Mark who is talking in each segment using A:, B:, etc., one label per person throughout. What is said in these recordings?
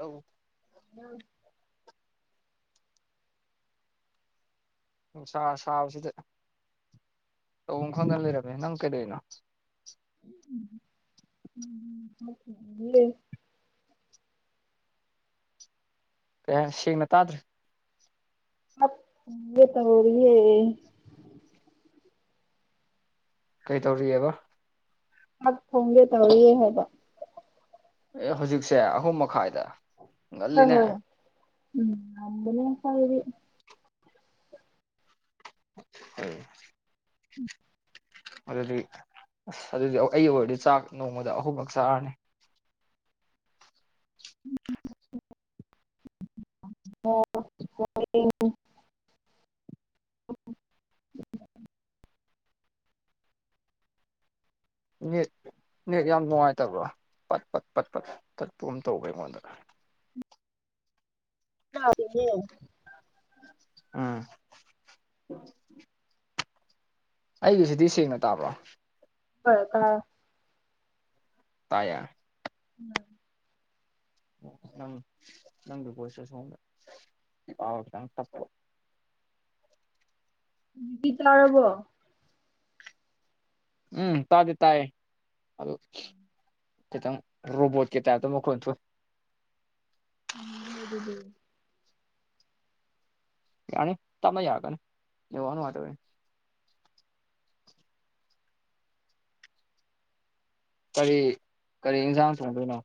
A: ꯑ
B: ꯎꯝ
A: ꯎ ꯁꯥ ꯁꯥꯕꯁꯤꯗ ꯇꯑꯣ ꯈꯪꯗ ꯂꯩꯔꯝꯃꯦ ꯅꯪ ꯀꯩꯗꯅꯣ
B: [unintelligible]
A: ꯑꯦ ꯁꯤꯡꯅ ꯇꯥꯗ꯭ꯔꯦ
B: [unintelligible]
A: ꯀꯩ ꯇꯧꯔꯤꯑꯕ
B: ꯊꯥꯛ ꯊꯣꯡꯒꯦ ꯇꯧꯔꯤꯌꯦ ꯍꯥꯏꯕ
A: ꯑꯦ ꯍꯧꯖꯤꯛꯁꯦ ꯑꯍꯨꯝ ꯃꯈꯥꯏꯗ
B: ꯍꯣꯏ
A: ꯉꯜꯂꯤꯅꯦ
B: ꯍꯣꯏ ꯎꯝ ꯑꯗꯅ ꯀꯔꯤ
A: [inaudible] ꯑꯗꯨꯗꯤ ꯑꯁ ꯑꯗꯨꯗꯤ ꯑꯩ ꯑꯣꯏꯔꯗꯤ ꯆꯥꯛ ꯅꯣꯡꯃꯗ ꯑꯍꯨꯝꯃꯛ ꯂꯛ ꯆꯥꯔꯅꯤ
B: [inaudible] ꯑꯣ ꯑꯣ [inaudible] [inaudible]
A: ꯅꯦꯠ ꯅꯦꯠ ꯌꯥꯝ ꯅꯨꯡꯉꯥꯏꯇꯕ꯭ꯔꯣ ꯄꯠ ꯄꯠ ꯄꯠ ꯄꯠ ꯇꯠꯄꯥꯒꯨꯝ ꯇꯧꯑꯦ ꯑꯩꯉꯣꯟꯗ
B: [unintelligible]
A: ꯑꯝ ꯑꯩꯒꯤꯁꯤꯗꯤ ꯁꯦꯡꯅ ꯇꯥꯕ꯭ꯔꯣ
B: ꯍꯣꯏ ꯇꯥꯏ
A: ꯇꯥꯏꯌꯦ
B: ꯎꯝ
A: [unintelligible]
B: ꯍꯧꯖꯤꯛꯇꯤ ꯇꯥꯔꯕꯣ
A: ꯎꯝ ꯇꯥꯗꯤ ꯇꯥꯏꯌꯦ ꯑꯗꯨ ꯈꯤꯇꯪ ꯔꯣꯕꯣꯠ ꯀꯤ ꯇꯥꯏꯞꯇ ꯃꯈꯣꯟ ꯊꯣꯛ ꯑꯦ
B: ꯑ ꯂꯧꯔꯗꯨꯗꯤ
A: ꯌꯥꯅꯤ ꯇꯞꯅꯥ ꯌꯥꯔꯛꯀꯅꯤ ꯅꯦꯠꯋꯥꯔꯛ ꯅꯨꯡꯉꯥꯏ ꯇꯕꯩꯅꯦ ꯀꯔꯤ ꯀꯔꯤ ꯏꯟꯖꯥꯡ ꯊꯣꯡꯗꯣꯏꯅꯣ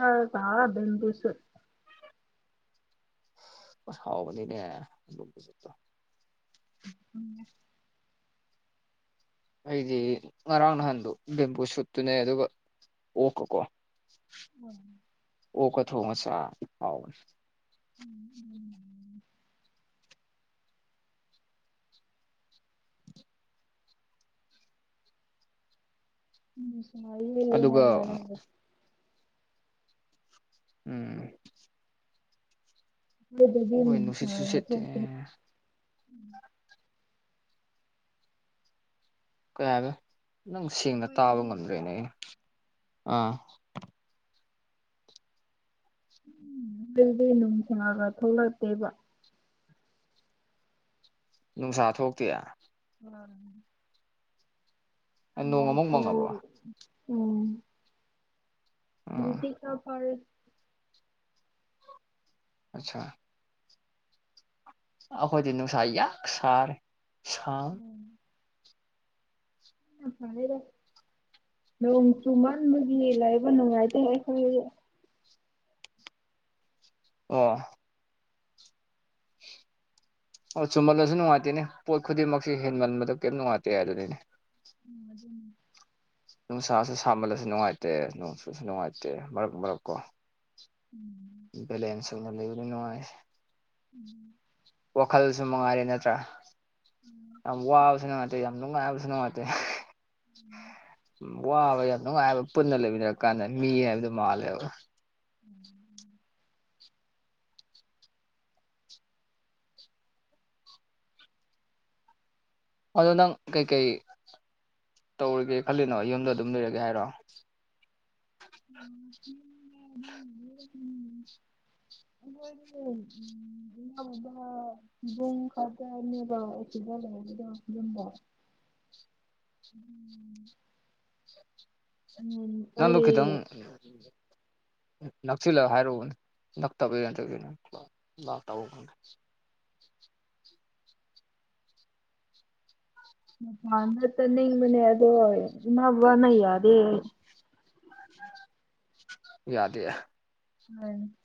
B: ꯎꯝ [unintelligible] ꯕꯦꯝꯕꯨꯁꯨꯠ
A: ꯑꯁ ꯍꯥꯎꯕꯅꯤꯅꯦ ꯕꯦꯝꯕꯨꯁꯨꯠ ꯇꯣ
B: [inaudible]
A: ꯑꯩꯗꯤ ꯉꯔꯥꯡ ꯅꯍꯥꯟꯗꯣ ꯕꯦꯝꯕꯨ ꯁꯨꯠꯇꯨꯅꯦ ꯑꯗꯨꯒ ꯑꯣꯛꯀꯀꯣ
B: ꯎꯝ
A: ꯑꯣꯛꯀ ꯊꯣꯡꯉ ꯆꯥꯕ ꯍꯥꯎꯕꯅꯦ
B: [inaudible]
A: ꯑꯗꯨꯒ
B: [unintelligible]
A: ꯎꯝ
B: ꯑꯗꯨꯗꯤ
A: ꯑꯩꯈꯣꯏ ꯅꯨꯡꯁꯤꯠ
B: ꯅꯨꯡꯁꯥꯒ
A: ꯁꯨꯁꯤꯠ
B: ꯊꯣꯛꯇ꯭ꯔꯤ
A: ꯀꯌꯥ ꯍꯥꯏꯕꯅꯣ ꯅꯪ ꯁꯦꯡꯅ ꯇꯥꯕ
B: ꯑꯩꯈꯣꯏꯗꯗꯤ
A: ꯉꯝꯗ꯭ꯔꯦꯅꯦ ꯑꯩꯅ ꯑꯥ
B: ꯑꯗꯨꯗꯤ ꯅꯨꯡꯁꯥꯒ ꯊꯣꯛꯂꯛꯇꯦꯕ
A: ꯅꯨꯡꯁꯥ ꯊꯣꯛꯇꯤꯌꯦ
B: ꯎꯝ
A: ꯅꯣꯡ ꯑꯃꯨꯛ
B: ꯅꯣꯡꯁꯨ
A: ꯃꯪꯉꯕ꯭ꯔꯣ
B: ꯎꯝ
A: ꯑꯥ
B: ꯍꯧꯖꯤꯛꯇꯤ ꯈꯔ ꯐꯔꯦ
A: ꯑꯠꯆꯥ ꯑꯈꯣꯏꯗꯤ ꯅꯨꯡꯁꯥ ꯌꯥꯛ ꯁꯥꯔꯦ ꯁꯥ
B: ꯎꯝ [unintelligible] ꯅꯣꯡ ꯆꯨ ꯃꯟꯕꯒꯤ ꯂꯩꯕ ꯅꯨꯡꯉꯥꯏꯇꯦ ꯑꯩꯈꯣꯏ
A: ꯑꯣ ꯑꯣ ꯆꯨꯃꯜꯂꯁꯨ ꯅꯨꯡꯉꯥꯏꯇꯦꯅꯦ ꯄꯣꯠ ꯈꯨꯗꯤꯡꯃꯛꯁꯤ ꯍꯦꯟꯃꯟꯕꯗꯣ ꯀꯩꯝ ꯅꯨꯡꯉꯥꯏꯇꯦ ꯑꯗꯨꯅꯤꯅꯦ
B: ꯎꯝ ꯑꯗꯨꯅꯤ
A: ꯅꯨꯡꯁꯥꯁꯨ ꯁꯥꯃꯜꯂꯁꯨ ꯅꯨꯡꯉꯥꯏꯇꯦ ꯅꯣꯡꯁꯨꯨꯁꯨ ꯅꯨꯡꯉꯥꯏꯇꯦ ꯃꯔꯛ ꯃꯔꯛꯀꯣ ꯕꯦꯂꯦꯟꯁ ꯑꯣꯏꯅ ꯂꯩꯕꯗꯤ ꯅꯨꯡꯉꯥꯏ
B: ꯎꯝ
A: ꯋꯥꯈꯜꯁꯨ ꯃꯉꯥꯏꯔꯦ ꯅꯠꯇ꯭ꯔꯥ ꯌꯥꯝ ꯋꯥꯕꯁꯨ ꯅꯨꯡꯉꯥꯏꯇꯦ ꯌꯥꯝ ꯅꯨꯡꯉꯥꯏꯕꯁꯨ ꯅꯨꯡꯉꯥꯏꯇꯦ꯫ ꯎ ꯋꯥꯕ ꯌꯥꯝ ꯅꯨꯡꯉꯥꯏꯕ ꯄꯨꯟꯅ ꯂꯩꯃꯤꯟꯅꯔ ꯀꯥꯟꯗ ꯃꯤ ꯍꯥꯏꯕꯗꯣ ꯃꯥꯜꯂꯦꯕ ꯃꯗꯗꯥ ꯀꯩ ꯀꯩ ꯇꯧꯔꯒꯦ ꯈꯜꯂꯤꯅꯣ ꯌꯨꯝꯗ ꯑꯗꯨꯝ ꯂꯩꯔꯒꯦ ꯍꯥꯏꯔꯣ
B: ꯎꯝꯝ ꯣꯏ ꯗꯨꯡ ꯈꯥꯖꯅꯦꯕ ꯑꯦꯁꯨ ꯂꯗ ꯑꯗꯨꯝꯕꯣ ꯎꯝ
A: ꯅꯪꯗꯣ ꯈꯤꯇꯪ ꯅꯛꯁꯤꯜꯂ ꯍꯥꯏꯔꯨꯎꯕꯅꯦ ꯂꯥꯛ ꯄꯔ ꯂꯥꯛ
B: ꯃ ꯐꯥꯟꯅ ꯇꯅ ꯃꯅꯦ ꯑꯗ ꯏ ꯋꯥꯅ ꯌꯥꯗꯦ
A: ꯌꯥꯗ
B: ꯎꯝ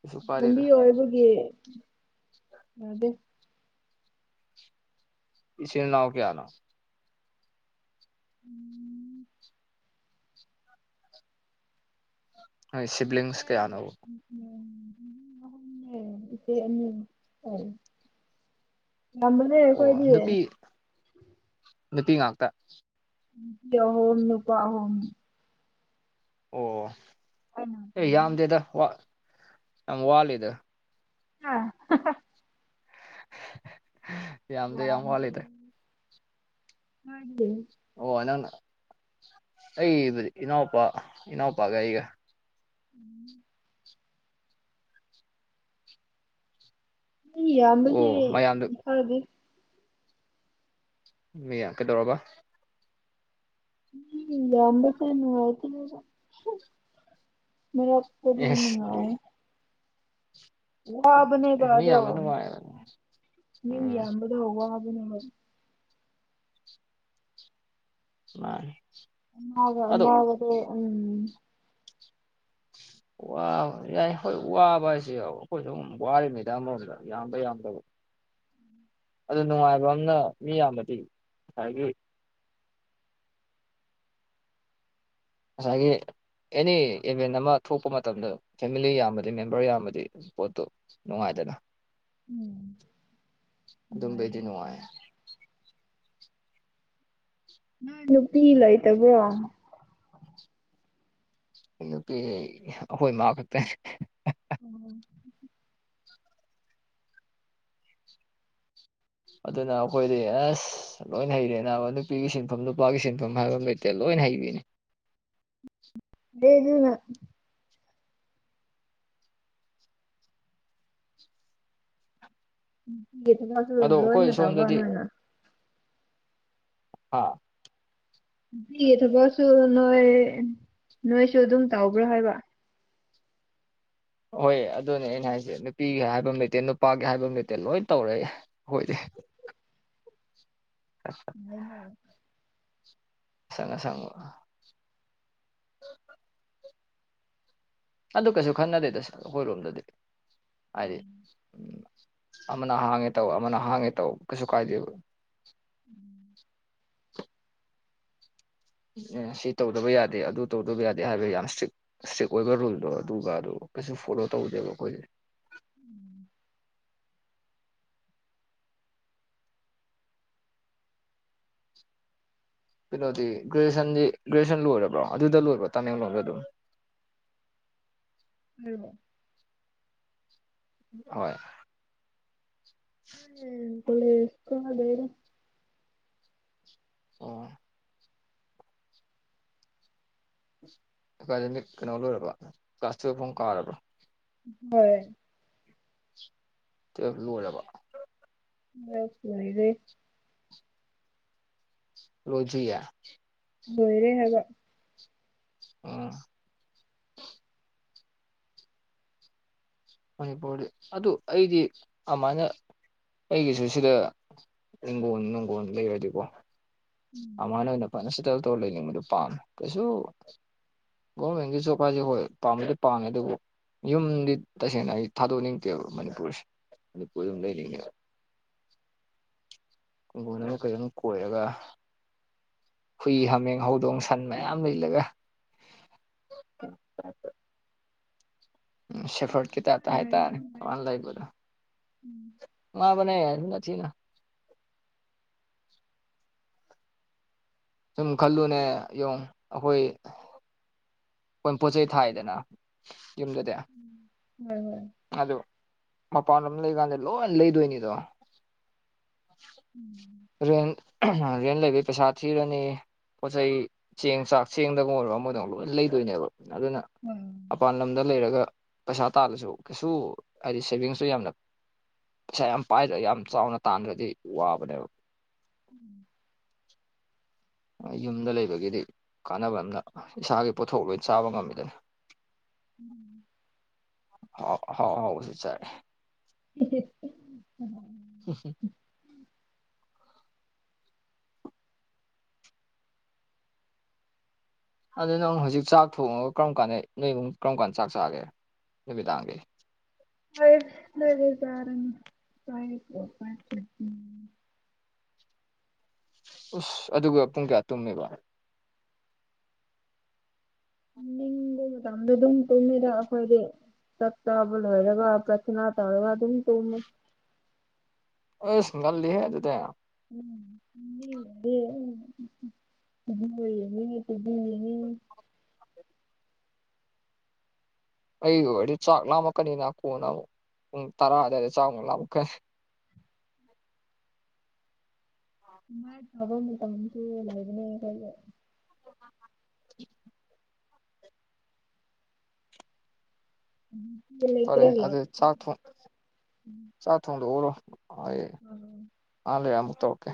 A: ꯀꯩꯁꯨ
B: ꯂꯝꯕꯤ
A: ꯀꯥꯏꯗꯦꯗ
B: ꯑꯣꯏꯕꯒꯤ ꯌꯥꯗꯦ
A: ꯏꯁꯤꯡꯅꯥ ꯀꯌꯥꯅ
B: ꯎꯝ
A: ꯅꯣꯏ ꯁꯤꯕ꯭ꯂꯤꯡꯁ
B: ꯑꯩꯈꯣꯏ
A: ꯀꯌꯥꯅꯣ
B: ꯎꯝ ꯎꯝ ꯏꯦ ꯑ ꯉꯝꯕꯅꯦ
A: ꯑꯣ
B: ꯀꯣꯏꯗꯤꯌꯦ
A: ꯅꯨꯠꯇꯤ ꯉꯥꯛꯇ
B: ꯅꯨꯄꯤ ꯑꯍꯣꯝ ꯅꯨꯄꯥ ꯑꯍꯣꯝ
A: ꯑꯣ
B: ꯑꯩꯅ
A: ꯌꯥꯝꯗꯦꯗ ꯋꯥ ꯌꯥꯝ ꯋꯥꯂꯤꯗ
B: ꯑ
A: ꯌꯥꯝꯗ ꯌꯥꯝ ꯋꯥ ꯂꯩꯗ
B: ꯍꯥꯏ
A: ꯑꯣ ꯅꯪꯅ ꯑꯩꯕꯨꯗꯤ ꯏꯅꯥꯎꯄꯥ ꯏꯅꯥꯎꯄꯥꯒ ꯑꯩꯒ
B: ꯎꯝ ꯍ ꯌꯥꯝꯝꯕꯁ
A: ꯑꯣ
B: ꯅꯤꯡ
A: ꯃꯌꯥꯝꯗꯨ
B: ꯈꯔꯕꯤ
A: ꯃ ꯌꯥ ꯀꯩꯗꯧꯔꯕꯕ
B: ꯎꯝ ꯑꯝꯕꯁꯅꯅꯨꯡ ꯃꯛꯇꯅ
A: ꯑꯦꯁ
B: ꯃꯉ ꯋꯥꯕꯅꯦꯕ
A: ꯑꯦ ꯃꯤ
B: ꯑꯗꯣ
A: ꯌꯥꯝꯕ ꯅꯨꯡꯉꯥꯏꯕꯅꯤ
B: ꯃꯤ
A: ꯎꯝ
B: ꯌꯥꯝꯕꯗ ꯋꯥꯕꯅꯦꯕ
A: ꯃꯥ
B: ꯑꯃꯒꯃꯒꯗ ꯎꯝ
A: ꯌꯥꯏ ꯍꯣꯏ ꯋꯥꯕ ꯍꯥꯏꯁꯦ ꯑꯩꯈꯣꯏ ꯁꯨꯝ ꯋꯥꯔ ꯃꯦꯗꯥ ꯑꯃꯔꯣꯝꯗ ꯌꯥꯝꯕ ꯌꯥꯝꯗꯕ ꯑꯗꯨ ꯅꯨꯡꯉꯥꯏꯕ ꯑꯃꯝꯅ ꯃꯤ ꯌꯥꯝꯕꯗꯤ ꯉꯁꯥꯏꯒꯤ ꯦ ꯑꯦꯅꯤ ꯏꯚꯦꯟ ꯑꯃ ꯊꯣꯛꯄ ꯃꯇꯝꯗ ꯐꯦꯃꯤꯂꯤ ꯌꯥꯝꯕꯗꯤ ꯃꯦꯝꯕꯔ ꯌꯥꯝꯕꯗꯤ ꯄꯣꯠꯇꯨ ꯅꯨꯡꯉꯥꯏꯇ
B: ꯎꯝ
A: ꯑꯗꯨꯝꯕꯩꯗꯤ
B: ꯅꯨꯡꯉꯥꯏꯕꯨꯗꯤ
A: ꯅꯨꯡꯉꯥꯏ
B: ꯅꯣꯏ ꯅꯨꯄꯤ ꯂꯩꯇꯕ꯭ꯔꯣ
A: ꯅꯨꯄꯤ ꯑꯩꯈꯣꯏ ꯏꯃꯥ ꯈꯛꯇꯅꯦ
B: ꯎꯝ
A: ꯑꯗꯨꯅ ꯑꯩꯈꯣꯏꯗꯤ ꯑꯁ ꯂꯣꯏ ꯍꯩꯔꯦ ꯅꯨꯄꯤꯒꯤ ꯁꯤꯟꯐꯝ ꯅꯨꯄꯥꯒꯤ ꯁꯤꯟꯐꯝ ꯍꯥꯏꯕ ꯂꯩꯇꯦ ꯂꯣꯏ ꯍꯥꯏꯅꯦ
B: ꯂꯩꯗꯨꯅ ꯊ
A: ꯑꯗꯣ
B: ꯂꯣꯏꯅ
A: ꯑꯩꯈꯣꯏ
B: ꯇꯕ
A: ꯁꯣꯝꯗꯗꯤ
B: ꯅꯅ
A: ꯑꯥ
B: ꯑꯗꯨ ꯊꯕꯛꯁꯨ ꯅꯣꯏ ꯅꯣꯏꯁꯨ ꯑꯗꯨꯝ ꯇꯧꯕ꯭ꯔꯥ ꯍꯥꯏꯕ
A: ꯍꯣꯏ ꯑꯗꯨꯅꯦ ꯑꯩꯅ ꯍꯥꯏꯁꯦ ꯅꯨꯄꯤꯒꯤ ꯍꯥꯏꯕ ꯂꯩꯇꯦ ꯅꯨꯄꯥꯒꯤ ꯍꯥꯏꯕ ꯂꯩꯇꯦ ꯂꯣꯏ ꯇꯧꯔꯛꯑꯦ ꯑꯩꯈꯣꯏꯗꯤ
B: ꯑꯣ ꯂꯩꯅ
A: ꯁꯉ ꯁꯒꯣ ꯑꯗꯨ ꯀꯩꯁꯨ ꯈꯟꯅꯗꯦ ꯇꯁ ꯑꯩꯈꯣꯏꯔꯣꯝꯗꯗꯤ ꯍꯥꯏꯗꯤ ꯎꯝ ꯑꯃꯅ ꯍꯥꯡꯉꯦ ꯇꯧ ꯑꯃꯅ ꯍꯥꯡꯉꯦ ꯇꯧ ꯀꯩꯁꯨ ꯀꯥꯏꯗꯦꯕ ꯎꯝ ꯁꯤ ꯇꯧꯗꯕ ꯌꯥꯗꯦ ꯑꯗꯨ ꯇꯧꯗꯕ ꯌꯥꯗꯦ ꯍꯥꯏꯕ ꯌꯥꯝ ꯏꯁꯇ꯭ꯔꯤꯛ ꯏꯁꯇ꯭ꯔꯤꯛ ꯑꯣꯏꯕ ꯔꯨꯜꯗꯣ ꯑꯗꯨꯒ ꯑꯗꯨ ꯀꯩꯁꯨ ꯐꯣꯂꯣ ꯇꯧꯗꯦꯕ ꯑꯩꯈꯣꯏꯁꯦ
B: [unintelligible]
A: ꯀꯩꯅꯣꯗꯤ ꯒ꯭ꯔꯦꯖꯨꯦꯁꯟꯗꯤ ꯒ꯭ꯔꯦꯖꯨꯑꯦꯁꯟ ꯂꯣꯏꯔꯕ꯭ꯔꯣ ꯑꯗꯨꯗ ꯂꯣꯏꯔꯕꯣ ꯇꯃꯦꯡꯂꯣꯡꯗ ꯑꯗꯨꯝ
B: ꯎ
A: ꯍꯣꯏ
B: ꯑ ꯄꯨꯂꯦ ꯀꯗꯔ
A: ꯑꯣ ꯀꯩꯅꯣ ꯂꯣꯏꯔꯕ ꯀ꯭ꯂꯥꯁ ꯇ ꯐꯨꯝ ꯀꯥꯔꯕ
B: ꯍꯣꯏ
A: ꯂꯨꯂꯕ
B: ꯑꯣꯏꯗꯤ
A: ꯔꯣꯖꯤꯨ ꯌꯥ
B: ꯃꯣꯏꯔꯦ ꯍꯥꯏꯒ
A: ꯑꯣ ꯃꯅꯤꯄꯨꯔꯗꯤ ꯑꯗꯨ ꯑꯩꯗꯤ ꯑꯃꯥꯏꯅ ꯑꯩꯒꯤꯁꯨ ꯁꯤꯗ ꯍꯤꯡꯒꯣꯟ ꯅꯨꯡꯒꯣꯜ ꯂꯩꯔꯗꯤꯀꯣ ꯑꯅ ꯑꯣꯏꯅ ꯐꯅ ꯁꯦꯇꯜ ꯇꯧꯔ ꯂꯩꯅꯤꯡꯕꯗꯨ ꯄꯥꯝꯃꯦ ꯀꯩꯁꯨ ꯒꯣꯔꯃꯦꯟꯒꯤꯁꯨꯖꯣꯕ ꯍꯥꯏꯁꯦ ꯍꯣꯏ ꯄꯥꯝꯕꯗꯤ ꯄꯥꯝꯉꯦ ꯑꯗꯨꯕꯨ ꯌꯨꯝꯗꯤ ꯇꯁꯦꯡꯅ ꯑꯩ ꯊꯥꯗꯣꯛꯅꯤꯡꯗꯦꯕ ꯃꯅꯤꯄꯨꯔꯁꯦ ꯃꯅꯤꯄꯨꯔ ꯑꯗꯨꯝ ꯂꯩꯅꯤꯡꯉꯦꯕ ꯈꯨꯡꯒꯣꯟꯅꯈꯩ ꯑꯗꯨꯝ ꯀꯣꯏꯔꯒ ꯍꯨꯏ ꯍꯥꯃꯦꯡ ꯍꯧꯗꯣꯡ ꯁꯟ ꯃꯌꯥꯝ ꯂꯩꯂꯒ ꯑ ꯎꯝ ꯁꯦꯐ꯭ꯔꯣꯠꯀꯤ ꯇꯥꯏꯞꯇ
B: ꯍꯣꯏ
A: ꯍꯥꯏꯇꯥꯔꯦꯅ ꯂꯩꯕꯗꯣ ꯃꯥꯕꯅꯦ ꯑꯗꯨ ꯁꯤꯅ ꯁꯨꯝ ꯈꯜꯂꯨꯅꯦ ꯌꯦ ꯑꯩꯈꯣꯏ ꯑꯩꯈꯣꯏ ꯄꯣꯠ ꯆꯩꯩ ꯊꯥꯏꯗꯅ ꯌꯨꯝꯗꯨꯗꯤ ꯑꯗꯨ ꯃꯄꯥꯟ ꯑꯃ ꯂꯩꯀꯥꯟꯗ ꯂꯣꯏ ꯂꯩꯗꯣꯏꯅꯤꯗ
B: ꯎꯝ
A: ꯔꯦꯟ ꯔꯦꯟ ꯂꯩꯕꯒꯤ ꯄꯩꯁꯥ ꯊꯤꯔꯅꯤ ꯄꯣꯠꯆꯩ ꯆꯦꯡ ꯆꯥꯛ ꯆꯦꯡꯗꯒ ꯑꯣꯏꯔꯣ ꯑꯃꯗꯧ ꯂꯣꯏ ꯂꯩꯗꯣꯏꯅꯦꯕ ꯑꯗꯨꯅ
B: ꯍꯣꯏ
A: ꯃꯄꯥꯥꯟ ꯂꯝ ꯗ ꯂꯩꯔꯒ ꯄꯩꯁꯥ ꯇꯥꯜꯂꯁꯨ ꯀꯩꯁꯨ ꯍꯥꯏꯗꯤ ꯁꯦꯚꯤꯡꯁꯇ ꯌꯥꯝꯅ ꯌꯥꯝ ꯄꯥꯏ ꯌꯥꯝ ꯆꯥꯎꯅ ꯇꯥꯟꯈ꯭ꯔꯗꯤ ꯋꯥꯕꯅꯦꯕ
B: ꯎꯝ
A: ꯌꯨꯝꯗ ꯂꯩꯕꯒꯤꯗꯤ ꯀꯥꯟꯅꯕ ꯑꯝꯅ ꯏꯁꯥꯒꯤ ꯄꯣꯠꯊꯣꯛ ꯂꯣꯏ ꯆꯥꯕ ꯉꯝꯃꯤꯗꯅ
B: ꯎꯝ
A: ꯍꯥꯎ ꯍꯥꯎ ꯍꯥꯎ ꯁ ꯆꯔꯦ
B: [inaudible]
A: ꯎ ꯁꯤ ꯑꯗꯨ ꯅꯪ ꯍꯧꯖꯤꯛ ꯆꯥꯛ ꯊꯣꯡꯉꯒ ꯀꯔꯝ ꯀꯥꯟꯗ ꯅꯣꯏꯃꯨꯡꯛ ꯀꯔꯝ ꯀꯥꯟꯗ ꯆꯥꯛ ꯆꯥꯒꯦ ꯅꯨꯃꯤ ꯇꯥꯡꯒꯦ
B: ꯐ ꯂꯩ ꯇꯥꯔ ꯐ
A: ꯑꯣꯁ ꯑꯗꯨꯒ ꯄꯨꯡ ꯀꯌꯥ ꯇꯨꯝꯃꯦꯕ
B: ꯅꯤꯡꯕ ꯃꯇꯝꯗ ꯑꯗꯨꯝ ꯇꯨꯝꯃꯤꯔ ꯑꯩꯈꯣꯏꯗꯤ ꯁꯛꯇꯥꯕꯨꯂꯔꯒ ꯄ꯭ꯔꯊꯅꯥ ꯇꯥꯧꯔꯒ ꯑꯗꯨ ꯇꯃ
A: ꯑꯁ ꯉꯜꯂꯤꯍꯦ ꯑꯗꯨꯗꯤ
B: ꯎꯝꯝ ꯎꯝ ꯎꯝ ꯑ ꯄꯨꯅꯤ
A: ꯑꯩꯒꯤ ꯑꯣꯏꯔꯗꯤ ꯆꯥꯛ ꯂꯥꯝꯃꯛꯀꯅꯤꯅ ꯀꯣꯟꯅ ꯑꯃꯨꯛ ꯄꯨꯡ ꯇꯔꯥ ꯑꯗꯨꯋꯥꯏꯗ ꯆꯥꯛꯃꯨꯛ ꯂꯥꯝꯃꯛꯀꯅꯤ
B: ꯃꯥꯏ ꯊꯥꯕ ꯃꯇꯝꯁꯨ ꯂꯩꯕꯅꯦ ꯀꯩ ꯎꯝ
A: ꯐꯔꯦ ꯑꯗꯨ ꯆꯥꯛ ꯊꯣꯡ ꯆꯥꯛ ꯊꯣꯡꯗ ꯎꯔꯣ ꯍ ꯃꯥ ꯂꯩ ꯌꯥꯝꯃꯨꯛ ꯇꯀꯦ